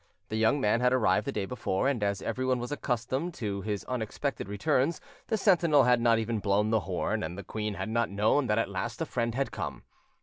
The young man had arrived the day before, and as everyone was accustomed to his unexpected returns, the sentinel had not even blown the horn, and the queen had not known that at last a friend had come.